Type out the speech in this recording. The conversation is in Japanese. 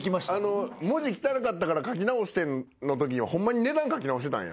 「文字汚かったから書き直してん」のときはホンマに値段書き直してたんや。